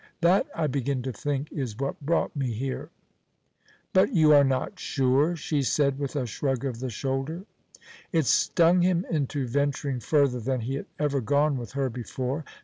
That, I begin to think, is what brought me here." "But you are not sure," she said, with a shrug of the shoulder. It stung him into venturing further than he had ever gone with her before.